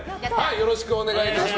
よろしくお願いします。